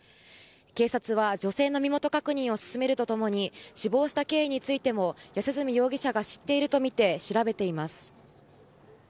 警察は、女性の身元確認を進めると共に死亡した経緯についても安栖容疑者が知っているとみて調べています。